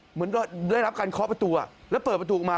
เหมือนก็ได้รับการเคาะประตูแล้วเปิดประตูออกมา